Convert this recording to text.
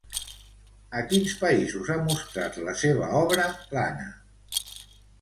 A quins països ha mostrat la seva obra, l'Anna?